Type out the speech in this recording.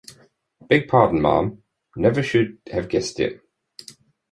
Beg pardon, ma'am; never should have guessed it.